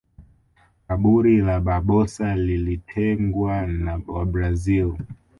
Kaburi la barbosa lilitengwa na wabrazil